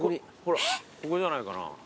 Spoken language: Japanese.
ここじゃないかな。